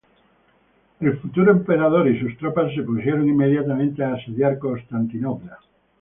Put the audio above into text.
El futuro emperador y sus tropas se pusieron inmediatamente a asediar Constantinopla.